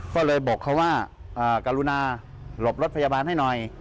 ก็เลยบอกเขาว่ากรุณาหลบรถพยาบาลให้หน่อย